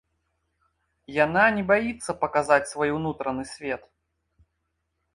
Яна не баіцца паказаць свой унутраны свет.